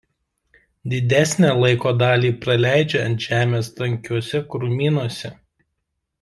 Didesnę laiko dalį praleidžia ant žemės tankiuose krūmynuose.